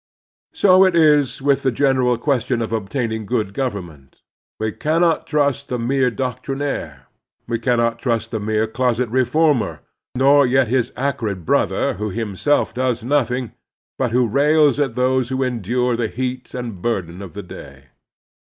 So it is with the general question of obtaining good government. We cannot trust the mere doctrinaire; we cannot trust the mere closet reformer, nor yet his acrid brother who himself does nothing, but who rails at those who endure the heat and btirden of the day.